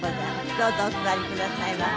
どうぞお座りくださいませ。